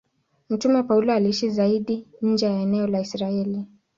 Mtume Paulo aliishi zaidi nje ya eneo la Israeli.